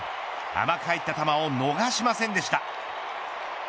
甘く入った球を逃しませんでした。